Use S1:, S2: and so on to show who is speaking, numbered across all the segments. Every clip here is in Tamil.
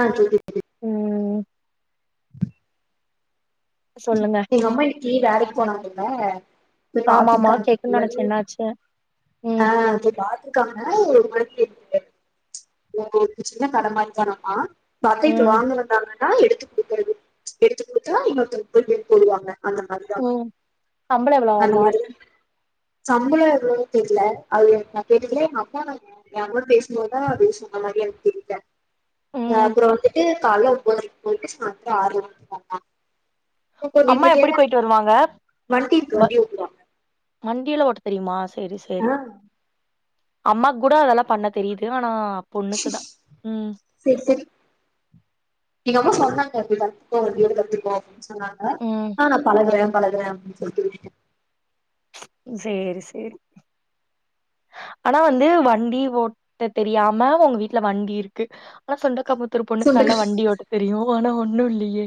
S1: அ செரி
S2: ம் சொல்லுங்க.
S1: எங்க அம்மா இன்னிக்கி வேலக் போனாங் இல்ல
S2: ஆமாமா கேக்குன் நெனைச்ச என்னாச்ச
S1: அ இங்கே பாத்ருக்காங்க எ ஒரு மாரி [unintelligible] உங்ளுக்கு சின்ன கட மாரி தானமா பத்துகுட்டு
S2: ம்
S1: வாங்குன தான ஆ எடுத்து குடுக்குறது எடுத்து குடுத்தா இன்னொருத்தருக்கு போய் பிள் போடுவாங்க அந்த மாரி தா
S2: சம்ப்ள எவ்ளவாமா
S1: சம்பளம் எவ்ளோனு தெரியல அது நா கேட்டுகல எங்க அப்பான் தா என் கூட பேசும் போதுதா அது சொன்ன மாதிரி எனக்கு தெரியல
S2: ம்
S1: அப்புறம் வந்துட்டு காலைல ஒன்பதரைக்கு போயிட்டு சாயந்தரம் ஆறு மணிக்கு தானா
S2: அம்மா எப்படி போயிட்டு வருவாங்க
S1: வண்டி இருக்கு
S2: ப
S1: வண்டி ஓட்டுவாங்க
S2: வண்டிலா ஓட்டு பெரிமா செரி செரி
S1: ஆ
S2: அம்மாக்கூட அதெல்லா பண்ண தெரியுது ஆனா பொண்ணுக்கு தா ம்
S1: சரி சரி எங்கம்மா சொன்னாங் எப்படித்தா போ [unintelligible] சொன்னாங்க
S2: ம்
S1: நா பழகுர பழகர அப்டின் சொல்லிட்டு விட்டுட்ட
S2: சேரி சேரி ஆனா வந்து வண்டி ஓட்ட தெரியாம உங்க வீட்ல வண்டி இருக்கு ஆனா சொந்தக்கப ஒருத்தர் பொண்ணுக்கு நல்ல
S1: சுண்டக்கா
S2: வண்டி ஓட்ட தெரியு போனா ஒன்னு இல்லயே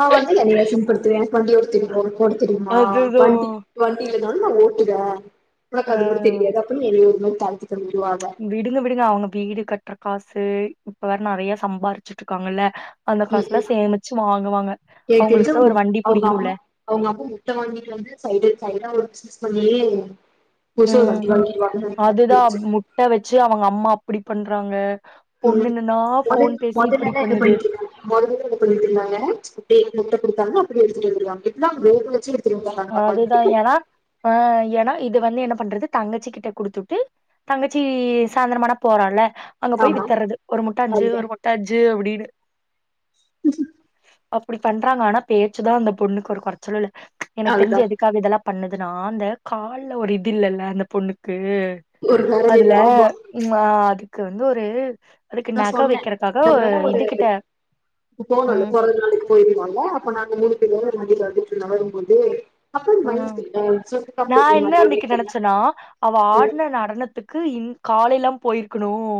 S1: நா வந்து என்னைய சிம்பில் எனக்கு வண்டி ஓட்ட தெரியுமா ஓட்ட தெரியுமா
S2: அதுதா.
S1: வண்டி வண்டியில இல்லனாலு ஒட்டுவ உனக்கு அது மட்டு
S2: ஆ
S1: தெரியாது அப்புற நீ நெ தங்க்யூ
S2: விடுங்க விடுங்க அவுங்க வீடு கட் டர காசு இப்ப வேற நெறைய சம்பாறிச்சுட்ருக்காங்கல்ல
S1: ம் ம் எனக்கு தெரிஞ்சு
S2: அவங்களுக்குதா ஒரு வண்டி
S1: அவுங்க
S2: புடிக்கும்ல
S1: அம்மா அவுங்க அம்மா முட்ட வாங்கிட்டு வந்து சைடு சைடா ஒரு பிசினஸ் பண்ணியே
S2: ம் அதுதா முட்ட வச்சு அவுங்கம்மா இப்டி பண்றாங்க
S1: உம்
S2: பொண்ணுன்னா ஃபோன்
S1: மொதல்
S2: பேசி இப்டி
S1: மொதல்லளா என்ன
S2: பண்ணுது
S1: பண்ணிட்ருந்தாங்க மொதல்லளா என்ன பண்ணிட்ருந்தாங்க இப்டி முட்ட குடுத்தாங்க அப் அப்படியே எடுத்துட்டு வந்துருவாங்க எல்லா வேகவச்சு
S2: அதுதா ஏனா ஆ ஏனா இது வந்து என்ன பண்றது தங்கச்சி கிட்ட குடுத்துட்டு தங்கச்சி சாய்ந்திரமானா போறால்ல அங்க போய்
S1: ஆமா
S2: வித்தறது ஒரு முட்ட அஞ்சு
S1: அதுதா
S2: ஒரு முட்ட அஞ்சு அப்டின்னு அப்டி பண்றாங்க ஆனா பேச்சுதா அந்த பொண்ணுக்கு ஒரு கொறச்சலுல்ல எனக் தெரிஞ்சு
S1: அதுதா
S2: எதுக்காக இதல்லா பண்ணதுன்னா அந்த கால்ல ஒரு இது இல்லல்ல அந்த பொண்ணுக் கு
S1: ஒரு
S2: அந்த
S1: வரவேல்ல ஆமா
S2: ம்மா க்கு வந்து ஒரு அதுக்கு
S1: நா
S2: நக
S1: சொன்ன
S2: வைக்கிறக்காக
S1: நம்ம ஒரு
S2: இது கிட்ட
S1: போ போனுல
S2: ம்
S1: பொறந்த நாளைக்கு போயிருவாங்க அப்ப நாங்க மூனு பேரு சும்மா வீட்டுல வந்துட்டு நகரும் போதே
S2: ஆ நா என்ன
S1: வண்டி
S2: அன்னைக்கு
S1: ஓட்டிட்டு இருந்தா
S2: நெனைச்சனா அவ
S1: ம்
S2: ஆடுன நடனத்துக்கு இன் காலைலா போயிருக்கணும்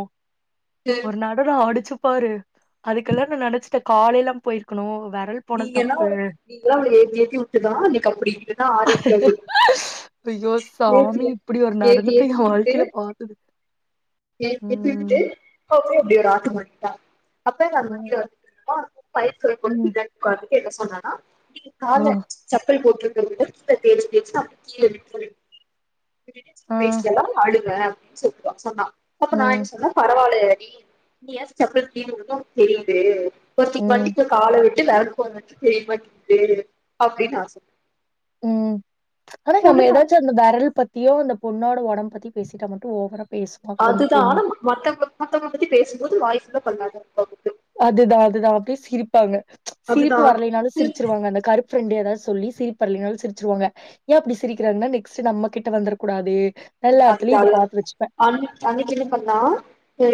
S2: ஒரு நடனம் ஆடுச்சு பாரு அதுக்கெல்லா நா நெனச்சிட்டேன் காலைல போயிருக்கணும்
S1: நீங்க தா நீங்களா அவள ஏத்தி ஏத்தி விட்டுதா இன்னக்கி
S2: அய்யோ
S1: ஏத்தி
S2: சாமி இப்டி ஒரு
S1: ஏத்தி
S2: நடனத்த எ வாழ்க்கையில பார்த்தது
S1: ஏத்தி ஏத்தி விட்டு அப்புறம் ஒரு ஆட்டம் ஆடிட்டா அப்ப
S2: ம்
S1: கீழ [unintelligible] பைக் சொல்லி
S2: ம்
S1: கொடுத்து [unintelligible] என்ன சொன்னானா இது
S2: ஆ
S1: கால்ல செப்பல் போட்ரு [unintelligible] விட்டுட்டு
S2: ஆ
S1: ஸ்பேஸ் லா அடுவ செக்வா சொன்னா அப்ப நான்
S2: ம்
S1: என் சொன்னே பரவால்லை நீ செப்பல் [unintelligible] தெரியுது ஒருத்திக்கு
S2: ம்
S1: வண்டிக்குள்ள கால விட் [unintelligible] தெ மாட்கி அப்டின்னு நா சொல்ல
S2: உம் ஆனா நம்ம எதாச்சு அந்த வெரல் பத் த்தியோ அந்த பொண்ணோட ஒடம்ப்
S1: அதுதான்
S2: பொண்ணு
S1: ஆனா மத்தவுங் மத்தவுங்கள பத்தி பேசும்போது வாய் ஃபுல்லா பன்னாத பகுத்து
S2: அதுதான் அதுதான் அப்டியே சிரிப் ப்பாங்க
S1: அதுதா
S2: சிரிப்பு வரலைனாலு
S1: சேரி
S2: சிரிச்சிருவாங்க அந்த கருப்பு ஃப்ரெண்டு ஏதாவது சொல்லி சிரிப்பு வர்லைனாலு சிரிச்சுருவாங்க ஏன் அப்டி சிரிக்கிறாங்கன்னா நெக்ஸ்ட் நம்ம கிட்ட வந்துரகூடாது
S1: அதுதான் அதுதான் அன் அன்னைக்கு என்ன பண்ணா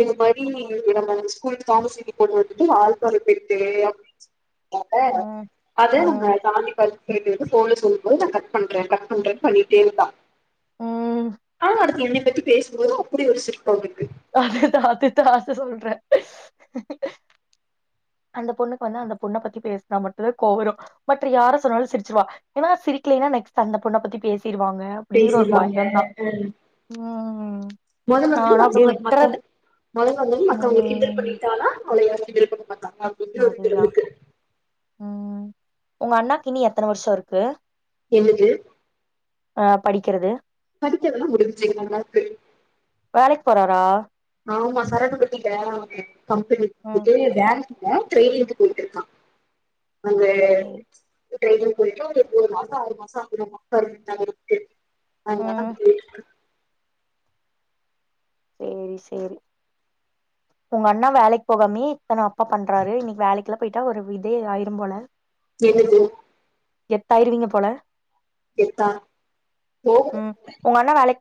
S1: இது மாரி நம்ம ஸ்கூல் காமர்ஸ் செட்டு பொண்ணு வந்துட்டு வால்பாறை போயிட்டு
S2: ஆ
S1: அத
S2: ஆ
S1: நம்ம சாந்தி பர்த் பன்டு போலிஸ் சொல்லும்போது நான் கட் பண்றே கட் பண்றேனு பண்ணிட்டேருந்தா
S2: ம்
S1: த பத்தி பேசுபோது அப்டி ஒரு சிரிப்
S2: அதுதான் அதுதான் அதான் சொல்றே அந்த பொண்ணுக்கு வந்து அந்த பொண்ண பத்தி பேசினா மட்டுமே கோவ வரும் மற்ற யார சொன்னாலும் சிரிச்சிருவா ஏன்னா சிரிக்கலேன்னா நெக்ஸ்ட் அந்த பொண்ண பத்தி பேசி
S1: பேசிருவாங்க ஹ்ம்
S2: ம்
S1: மொத மாதுரி
S2: நானா அப்டியே
S1: மத்தவங்க மத்த
S2: விட்றது
S1: மத்தவங்க மொத மாதுரி மத்தவங்க கிண்டல்
S2: ம்
S1: பண்ணிட்டானா கொலயால் இருக்கனு அத பிப்ரி வரு பருவத்தவர் துக்கு
S2: உம் உங்க அண்ணாக்கு இனி எத்தன வர்ஷோ ருக்கு
S1: என்னது
S2: ஆஹ் படிக்குறது
S1: படிக்கறதெல்லா முடிஞ்சு எங்க அண்ணாக்கு
S2: வேலைக்கு போறாரா
S1: ஆமா சரக்கு பட்டி கெலாங்க கம்ப்
S2: ம்
S1: த்துட்டு வேல ஹ ட்ரெனிங்க்கு போயிட்டு இருக்கா அந்த
S2: சேரி
S1: ட்ரெயினிங் போயிட்டு ஒரு ஒரு மூனு மாசோ ஆறு மாசோ அகுமாமா அஹன் [unintelligible] அங்கதா
S2: ம்
S1: பேய்ருக்
S2: சேரி சேரி உங்க அண்ணா வேலைக்கு போகாமே இத்தன அப்ப பண்றாரு இன்னைக்கு வேலைக்குல்லா போயிட்டா ஒரு இதே ஆய்ரு போல
S1: என்னது
S2: கெத்தாயிருவீங்க போல
S1: கெத்தா போகுனும்லெ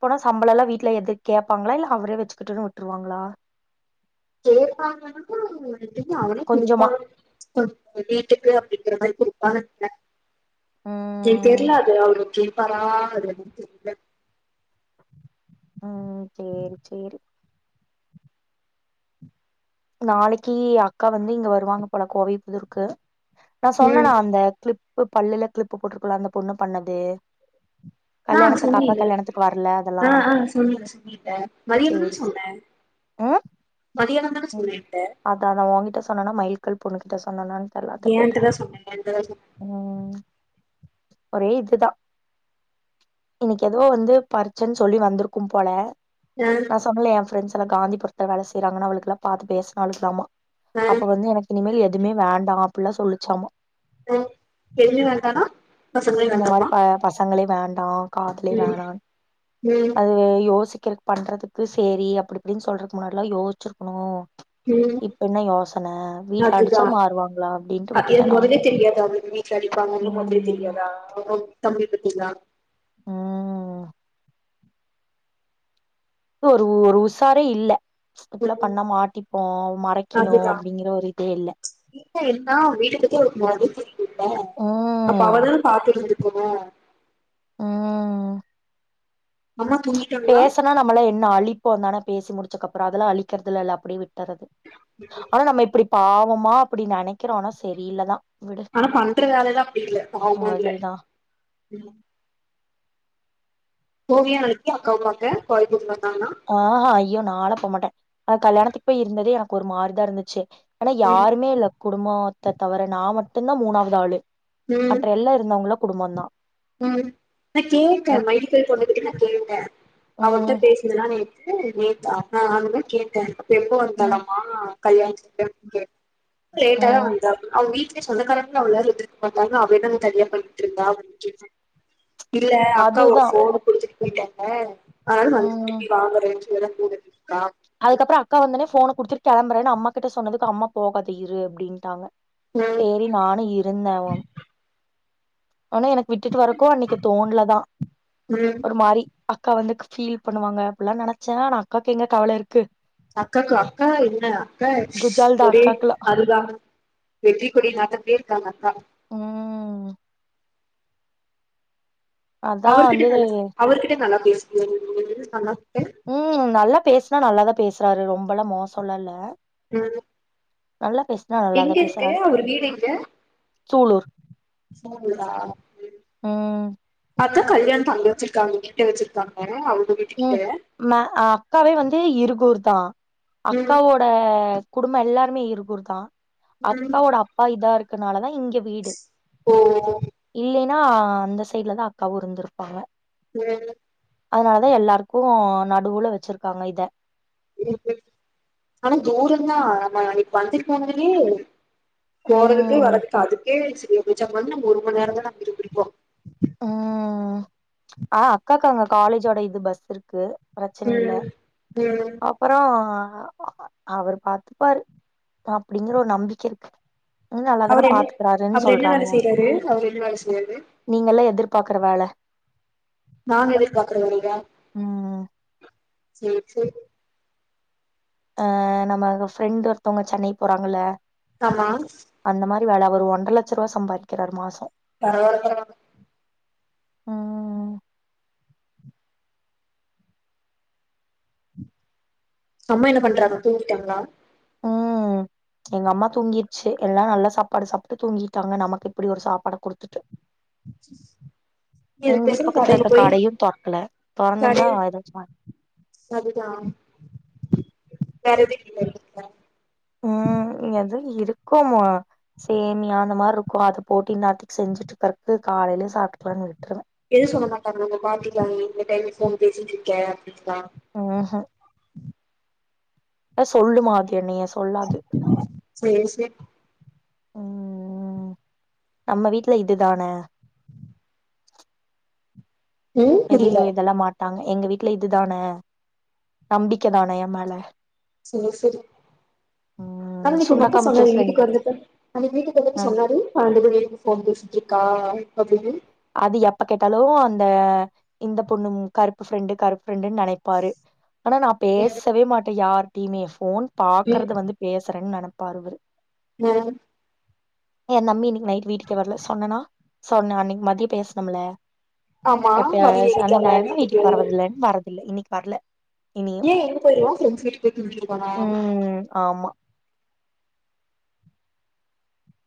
S2: போன சம்பளளால்லாம் வீட்டுல எதுக் கேப்பாங்களா இல்ல அவரே வெச்சுக்கிட்டுன்னு வுட்டுருவாங்களா
S1: கேப்பாங்கனா தெரிஞ்சி அவனே குடுப்பா
S2: கொஞ்சமா
S1: ம் வீட்டுக்கு அப்டிங்குறே மாரி குடுப் பணத்த என்க்
S2: ம்
S1: தெரல அது அவரகே கொடுப்பாரா அதுல தெரியல
S2: உம் சேரி சேரி நாளைக்கி அக்கா வந்து இங்க வருவாங்க போல கோவை புதூருக்கு நா
S1: ம்
S2: சொன்னனா அந்த க்ளிப் ப்பு பல்லுல க்ளிப்பு போட்ருக்கும்ல அந்த பொண்ணு பண்ணது
S1: ஆ
S2: கல்யாணத்துக்கு அக்கா
S1: சொன்னில
S2: கல்யாணத்துக்கு வரல அதெல்லா
S1: ஆ ஆ சொன்னில சொன்னில மதியான தான
S2: சேரி சேரி
S1: சொன்னே மதியான
S2: உம் அததா ஓங்கி சொன்னனா மைல்கள் பொண்ணுட்ட சொன்னனா
S1: ஏன்ட்டதா சொன்ன ஏன்ட்டதா சொன்ன
S2: ம் ஒரே இதுதா இன்னிக்கு எதோ வந்து பறிச்சன்னு சொல்லி வந்திருக்கு போல
S1: சொன்னே ஆ
S2: நா சொன்னலே யே ப்ரெண்டஸ் காந்திபுரத்துல வேல செய்றாங்கா அவளுக்கு எல்லா பார்த்து பேச நாலுகலாமா
S1: ஆ
S2: அப்ப வந்து எனக்கு இனிமேல் எதுவுமே வேண்டா அப்படிலா சொல்லிச்சாமா
S1: ஆ எதுவுமே வேண்டானா நா பசங்களே வேண்டமா
S2: ஆ காதலே வேணா
S1: ம்
S2: அது யோசி க்கு பண்றதுக்கு சரி அப்படி இப்படின்னு சொல்றதுக்கு முன்னாடில்லா யோசிச்சிரு க்கணும்
S1: உம்
S2: வீட்ல அடிச்சா
S1: அதுதான்
S2: மாறுவாங்களா அப்டின்ட்டு விட்டுட்டே நானு
S1: முதலே தெரியாதா அவளுக்கு வீட்ல அடிப்பாங்கன்னு முதலே
S2: ம்
S1: தெரியாதா அவ தம்பிய பத் இதா
S2: ம் இது ஒரு ஒரு உசாரே இல்ல இப்புல்லா பண்ணா மாட்டிப்போம் மறைக்கணும்
S1: அதுதா
S2: அப்படிங்கிற ஒரு இதே இல்ல
S1: இல்ல எல்லா வீட்ட பத்தி அவளுக்கு மொதலே தெரியும்ல
S2: உம்
S1: கணு அம்மா தூங்கிட்டாங்களா
S2: பேசனா நம்மள என்ன அழி இப்போ என்னான பேசி முடிச்சதுக்கு அப்புறம் அதுலா அழிக்கிறதுல இல்ல அப்படியே விட் து ஆனா நம்ம இப்படி பாவமா அப்படி நினைக்கிரோனா சரியில்லதா விடு
S1: ஆனா பண்ற வேலைலா அப்படி இல்ல பாவமா இல்ல
S2: அதுதா
S1: போவியா நாளைக்கு அக்காவ பாக்க கோயம்புத்தூர் வந்தாங்கன்னா
S2: ஆ அ ஐயோ நா லா போமாட்டே அவ கல்யாணத்துக்கு போய் இருந்ததே எனக்கு ஒரு மாரிதா இருந்துச்சு ஆனா
S1: ம்
S2: யாருமே இல்ல குடும்போ அத்த தவிர நா மட்டும்தா மூணாவது ஆளு மற்ற எல்லா இருந்தாவங்களு குடும்பம் தா
S1: உம் நா கேட்ட மைல்க்கல் பொண்ணு கிட்ட நா கேட்டே அவகிட்ட
S2: ம்
S1: பேசுனதானே கு நேத்து அதா நானுமே கேட்ட எப்போ
S2: ம்
S1: வந்தாளாமா கல்யாணத்துக்கு போய் [unintelligible] லேட்டா தா
S2: ம்
S1: வந்தா அவங்க வீட் லே சொந்தக்காரங்க அவளலா வந்து இருக்க மாட்டாங்க அவளே தா தனியா பண்ணிட்டூ இருந்தாப்ப இல்ல அக்கா வோட
S2: அதுதான்
S1: ஃபோன் கூடுத்துட்டு போயிட்டாங்க அதுனால வந்துட்டு
S2: ம்
S1: திருப்பி வாங்குறேன்னு சொல்லி தா போது
S2: அதுக்கப்புறம் அக்கா வந்த உடனே ஃபோன குடுத்துட்டு கிளம்பறேன்னு அம்மா கிட்ட சொன்னதுக்கு அம்மா போகாத இரு அப்படின்ட்டாங்க
S1: ம்
S2: சேரி நானு இருந்தே ஆனா எனக்கு விட்டுட்டு வரக்கு அன்னைக்கு தோண்ல தா
S1: ம்
S2: ஒரு மாரி அக்கா வந்து ஃபீல் பண்ணுவாங்க அப்படி எல்லா நினச்சே ஆன அக்காவுக்கு எங்க கவல இரு க்கு
S1: அக்காக்கு அக்கா என்ன அக்கா
S2: குஜால் தான்
S1: ஒரே
S2: அக்காக்குலாம்
S1: அதுதா வெற்றி கொடி நாட்டடே இருக்காங்க அக்கா
S2: ம் அதான்
S1: அவர்கிட்ட
S2: வந்து
S1: நல்ல அவர்கிட்ட நல்ல பேசுவைய நீ நல்லா
S2: உம் நல்ல பேசுனா நல்லாதா பேசுறாரு ரொம்பெல்லாம் மோசம்ல இல்ல
S1: உம்
S2: நல்லா பேசுனா நல்லாதா
S1: எங்க இருக்கு
S2: பேசுறாரு
S1: அவர் வீடு எங்க
S2: சூலூர்
S1: சூலூர் ரா
S2: ம்
S1: அதா கல்யாணத்த அங்க வச்சிருக்காங்க இங்க வச்சிருக்காங்க வீட்டு
S2: உம்
S1: கிட்ட
S2: மே அக்காவே வந்து இருகூர் த
S1: ம்
S2: அக்காவோட குடும்ப எல்லாருமே இருகூர் தா
S1: ம்
S2: அக்காவோட அப்பா இதா இருக் அதுனால தா இங்க வீடு
S1: ஓ
S2: இல்லைன் ன்னா அந்த சைடுல தா அக்காவும் இருந்திருப்பாங்க
S1: ம்
S2: அதனால எல்லாருக்கு நடுவுல வச்சிருக்காங்க இத
S1: ஆனா தூர்தா நம்ம இன்னைக்கு வந்து போனதுலேயே போறதுக்கு
S2: ம்
S1: வர்றதுக்கு அதுக்கே சரியாபோச்சு அங்கவந்து நம்ம ஒரு மணி நேரம் தா நம்ப இருந்துருப்போம்
S2: அ அக்காக்கு அங்க காலேஜோட இது பஸ் இருக்கு பிரச்சன இல்ல
S1: ம் ம்
S2: அப்பறோ அவரு பாத்துப்பாரு அப்டிங்கற ஒரு நம்பிக்கை இருக்கு ம் நல்லாதான
S1: அவர் என்
S2: பாத்துக்கறாருன்னு
S1: அவர் என்ன
S2: சொல்றாங்க
S1: வேலை செய்றாரு அவர் என்ன வேலை செய்றாரு
S2: பாக்குற வேல
S1: நாங்க எதிர்பக்குற வேலைலயா
S2: ம்
S1: சேரி சேரி
S2: அ நம்ம ஃப்ரெண்ட் ஒருத்தவங்க சென்னை போறாங்கல
S1: ஆமா
S2: வேலை அவரு ஒன்ற லட்ச ரூவா சம்பாறிக்கிறாறு மாச
S1: பரவால பரவால
S2: ம் ம் ம்
S1: அம்மா என்ன பண்றாங்க தூங்கிட்டாங்கலா
S2: ம் எங்க அம்மா தூங்கிட் ச்சி எல்லா நல்ல சாப்பாடு சாப்ட்டு தூங்கிட்டாங்க நமக்கு இப்படி ஒரு சாப்பாட கொடுத்துட்டு
S1: இதுக்கு
S2: வீட்டு
S1: எதுக்கு
S2: பக்கத்துல
S1: கடைல
S2: இருக்க
S1: போய்
S2: கடையு தொறக்கல தொறந்துருந்தா
S1: கடைல்
S2: ஏதாச்சு வாங்
S1: அதுதா வேறெது இல்லியா வீட்ல
S2: இருக்கும்மா சேமியா அந்த மார்ருக்கு அத போட் டி நாட்டிக் செஞ்சுட்ருக்கறக்கு காலைலயே சாப்ட்டுக்லான் விட்ருவ
S1: எது சொல்ல மாட்டாங்கலா உங்க பாட்டிலா நீ இந்த டைம்க்கு ஃபோன் பேசிட்ருக்கே
S2: ஆஹ அ சொல்லுமா அத் என்னைய சொல்லாது
S1: சேரி சேரி
S2: ம் நம்ம வீட்ல இதுதான
S1: ம் புரில
S2: எதுக்கு இதெல்லா மா நாங்க எங்க வீட்ல இதுதான நம்பிக்க தான எ மேல
S1: சேர் சேரி
S2: ம்
S1: அன்னைக்கு உங்க
S2: சுண்டக்கா
S1: அப்பா
S2: முத்தூர்
S1: சொன்னாரு
S2: ஃப்ரெண்டு
S1: வீட்டுக்கு வந்தப்ப அந்த வீட்டுக்கு
S2: ஆ
S1: வந்தப்ப சொன்னாரு பணண்டு மணி வரிக்கு ஃபோன் பேசிட்ருக்கா ஓகேங்க
S2: அது எப்ப கேட்டாலு அந்த இந்த பொண்ணு மு கருப்பு ஃப்ரெண்டு கருப்பு ஃப்ரெண்டுன் நெனைப்பாரு ஆனா நா பேசவே மாட்டே யார் கி மி ய ஃபோன் பாக்குறது வந்து பேசுறேன் நெனப் பாருவரு
S1: ம்
S2: ஏ நம்பி நீ நைட்டு வீட்டுக்கே வரல சொன்னனா சொன்ன அன்னிக் மத் கிய பேசனம் இல்ல
S1: ஆமா
S2: அப்றோ
S1: வரல இன்னைக்கு
S2: சனி
S1: அவ
S2: ஞாயிறுனா வீட்டுக்கு வரதில்லைன் வரதில்ல இன்னிக் வர்ல
S1: ஏ எங்க போயிருவா ஃரெண்ட்ஸ் வீட்டுக் போய் தூங்கிருவானா
S2: ம் ஆமா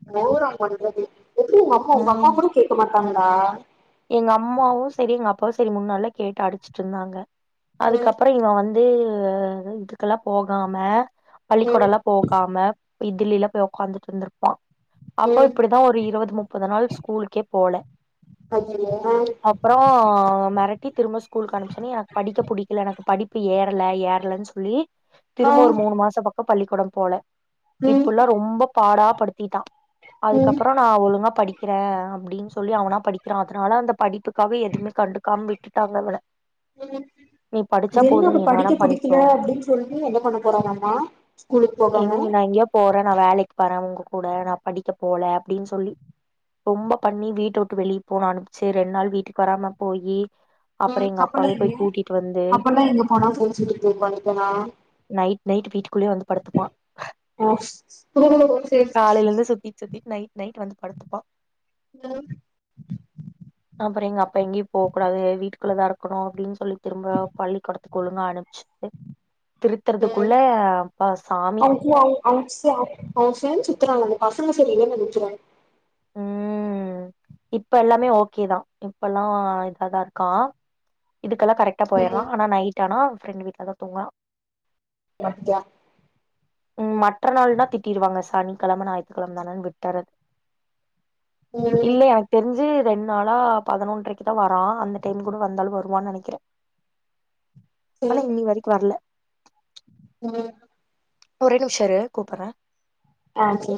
S1: போர் அவ பண்றது எப்டி உங் அம்மா உங்க அப்பா
S2: ம்
S1: கூட கேக்க மாட் [unintelligible]
S2: எங்க அம்மாவு சரி எங்க அப்பாவு சரி முன்னாலா கேட்டு அடிச்சிட்டு இருந்தாங்க
S1: ம்
S2: அதுக்கப்பற இவன் வந்து வந்து இதுக்கெல்லா போகாம பள்ளிக்கூட
S1: ம்
S2: எல்லா போகாம இதுலைலா போய் உட்காந்துட்டு இருந்துருப்பா அப்போ
S1: ம்
S2: இப்டிதா ஒரு இருபது முப்பது நாள் ஸ்கூல்க்கே போல
S1: அய்யய்யோ
S2: அப்பறோ மிரட்டி திரும்ப ஸ்கூலுக்கு அனுப்புச்சனே எனக்கு படிக்க பிடிக்கல எனக்கு படிப்பு ஏற ல ஏறலன்னு சொல்லி
S1: ஆ ஆ
S2: திரும்ப ஒரு மூணு மாசம் பக்கம் இப்ப பள்ளிக்கூடம் போல
S1: ம்
S2: இப்புட்லா ரொம்ப பாடாப்படுத்திட்டான்
S1: ம்
S2: அதுக்கப்புறம் நா ஒழுங்கா படிக்கிறேன் அப்டின்னு சொ சொல்லி அவனா படி க்றா அதனால அந்த படி அதுக்காக எதுவுமே கண்டுக்காம விட்டுட்டா அவ இவனை
S1: ம்
S2: நீ படிச்சா போது நீ
S1: அவ
S2: என்ன வேணா
S1: படிக்க
S2: பண்ணிக்கோ
S1: புடிக்கல அப்டின்னு சொல்லி என்ன பண்ண போறானாமா ஸ்கூலுக்கு போகாம
S2: எங்நா எங்கேயோ போறே நான வேலைக்கு வர உங்க கூட நா படிக்க போல அப்டின்னு சொல்லி ரொம்ப பண்ணி வீட்ட விட்டு வெளி போன அனுப்பிச்சு ரெண்டு நாள் வீட்டுக்கு வராம போயி
S1: உம்
S2: அப்புறம்
S1: அப்பல்லா
S2: அப்பாவே போய்
S1: எங்க
S2: கூட்டிட்டு வந்து
S1: அப்பல்லாம் எங்க போனா கோச்சிட்டு போய் உட்காந்துப்பனா
S2: நைட் நைட் வீட்டுக்குள்ளயே வந்து படுத்துப்பான்
S1: உம் ஓ செர்
S2: காலையில இருந்து சுத்திட்டு சுத்திட்டு நைட் நைட் வந்து படுத்துப்பா
S1: ஓ
S2: அப்பறம் எங்க அப்பா எங்கேயும் போக கூடாது வீட்டுக்குள்ளதா இருக்கணும் அப்படின்னு சொல்லி திரும்ப பள்ளிக்கூடத்துக்கு ஒழுங்க அனுப்பிச்சு திருத்துறதுக்குள்ள அப்பா சாமி
S1: [unintelligible] அவ சேர்ந்து சுத்துறாங்க அந்த பசங்க சரி இல்ல நினைக்கிறே
S2: உம் இப்ப எல்லாமே ஓகேதா இப்ப எல்லாம் இதாதா இருக்கா இதுக்கல்லா கரெக்டாக
S1: ம்
S2: போயிடற நைட் ஆனா ப்ரெண்ட் வீட்ல தா தூங்குறா
S1: அப்படியா
S2: உம் மட் ர நாள்னா திட்டிடுவாங்கா சனி கிழம ஞாயித்துக்கிழம தான விட்டரா
S1: ம்
S2: இல்லை எனக்கு தெரிஞ்சு ரெண்டு நாளா பதினொன்றரைக்கு தா வரா அந்த டைம் கூட வந்தாலும் வருவான்னு நினைக்கிறே ஆனா இனி வரைக்கும் வரல
S1: உம்
S2: ஒரே நிமிஷம் இரு கூப்பிடறே
S1: ஆ சரி